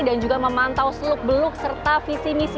dan juga memantau seluk beluk serta visi misi